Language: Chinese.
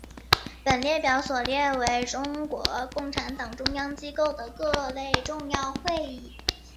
本列表所列为中国共产党中央机构的各类重要会议。